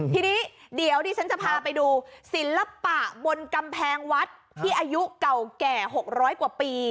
ทีนี้เดี๋ยวดิฉันจะพาไปดูศิลปะบนกำแพงวัดที่อายุเก่าแก่๖๐๐กว่าปี